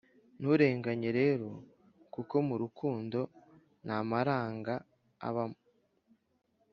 nturenganye rero kuko murukundo ntamaranga abamo